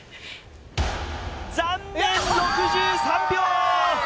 残念６３秒！